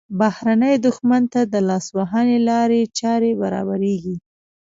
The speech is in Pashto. بهرني دښمن ته د لاسوهنې لارې چارې برابریږي.